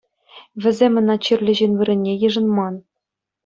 Вӗсем ӑна чирлӗ ҫын вырӑнне йышӑнман.